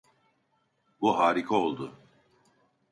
Bu harika oldu.